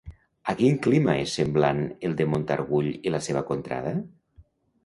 A quin clima és semblant el de Montargull i la seva contrada?